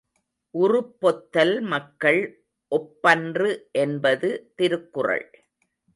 உறுப்பொத்தல் மக்கள் ஒப்பன்று என்பது திருக்குறள்.